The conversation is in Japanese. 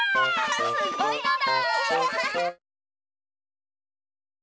すごいのだ！